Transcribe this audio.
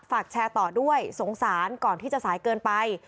แชร์ต่อด้วยสงสารก่อนที่จะสายเกินไป